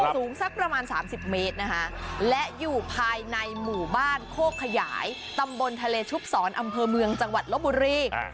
สูงสักประมาณ๓๐เมตรนะคะและอยู่ภายในหมู่บ้านโคกขยายตำบลทะเลชุบศรอำเภอเมืองจังหวัดลบบุรี